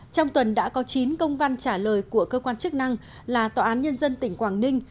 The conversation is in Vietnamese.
trong tuần đã có chín công văn trả lời của cơ quan chức năng là tòa án nhân dân tỉnh quảng ninh